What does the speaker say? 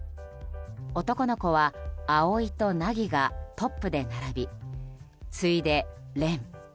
男の子は蒼と凪がトップで並び次いで蓮。